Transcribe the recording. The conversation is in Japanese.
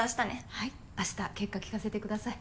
はい明日結果聞かせてください。